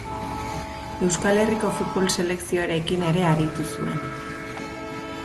Euskal Herriko futbol selekzioarekin ere aritu zuen.